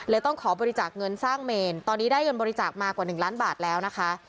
ต้องขอบริจาคเงินสร้างเมนตอนนี้ได้เงินบริจาคมากว่า๑ล้านบาทแล้วนะคะ